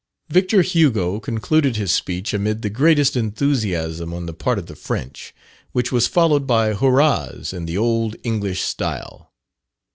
Victor Hugo concluded his speech amid the greatest enthusiasm on the part of the French, which was followed by hurrahs in the old English style.